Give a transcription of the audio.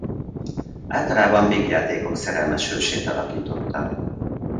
Általában vígjátékok szerelmes hősét alakította.